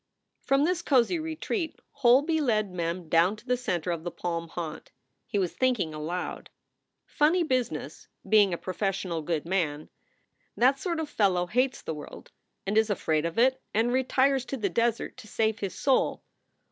From this cozy retreat Holby led Mem down to the center of the palm haunt. He was thinking aloud: "Funny business, being a professional good man. That sort of fellow hates the world and is afraid of it and retires to the desert to save his soul.